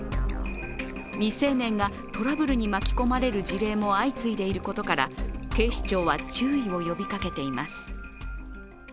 未成年がトラブルに巻き込まれる事例も相次いでいることから警視庁は注意を呼びかけています。